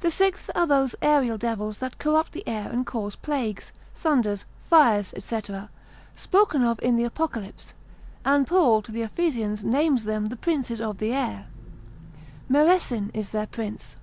The sixth are those aerial devils that corrupt the air and cause plagues, thunders, fires, &c. spoken of in the Apocalypse, and Paul to the Ephesians names them the princes of the air; Meresin is their prince.